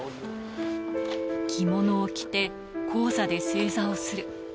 着物を着て、高座で正座をする。